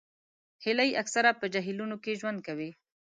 هیلۍ اکثره په جهیلونو کې ژوند کوي